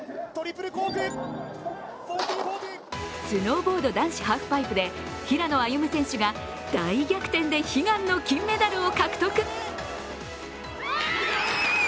スノーボード男子ハーフパイプで平野歩夢選手が大逆転で悲願の金メダルを獲得。